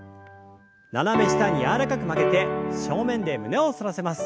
斜め下に柔らかく曲げて正面で胸を反らせます。